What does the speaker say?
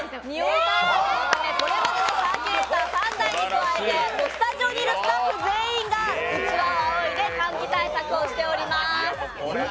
これまでのサーキュレーター３台に加えて、スタジオにいるスタッフ全員がうちわをあおいで換気対策をしております。